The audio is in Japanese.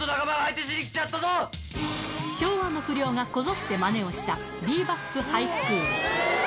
昭和の不良がこぞってマネをした『ビー・バップ・ハイスクール』